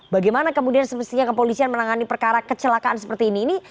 bagaimana kemudian semestinya kepolisian menangani perkara kecelakaan seperti ini